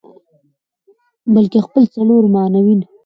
بلکه خپل څلور معاونین